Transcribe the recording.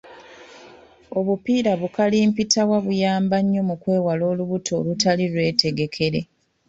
Obupiira bukalimpitawa buyamba nnyo mukwewala olubuto olutali lwetegekere.